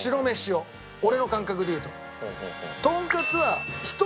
俺の感覚で言うと。